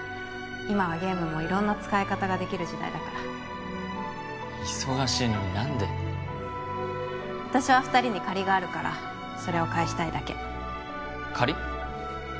今はゲームも色んな使い方ができる時代だから忙しいのに何で私は２人に借りがあるからそれを返したいだけ借り？